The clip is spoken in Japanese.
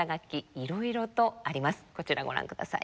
こちらご覧ください。